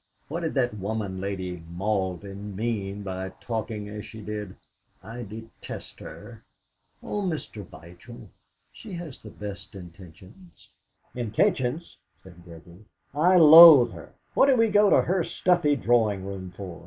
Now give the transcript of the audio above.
What did that woman, Lady Malden, mean by talking as she did? I detest her!" "Oh, Mr. Vigil! She has the best intentions!" "Intentions?" said Gregory. "I loathe her! What did we go to her stuffy drawing room for?